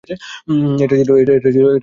এটা ছিল একটা গ্রহাণু।